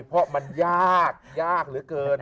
เพราะมันยากยากเหลือเกิน